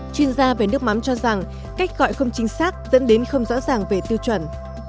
chuyên gia về nước mắm cho rằng cách gọi không chính xác dẫn đến không rõ ràng về tiêu chuẩn